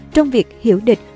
trong việc hiểu địch